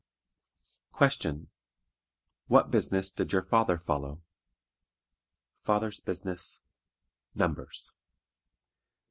Question. WHAT BUSINESS DID YOUR FATHER FOLLOW? Fathers' business. Numbers.